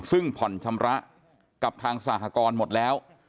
ซึ่งผ่อนชำระกับทางสหกรณ์หมดแล้ว